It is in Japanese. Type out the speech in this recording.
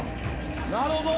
なるほど。